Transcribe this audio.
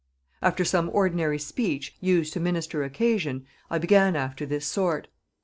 After some ordinary speech, used to minister occasion, I began after this sort.